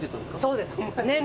そうです。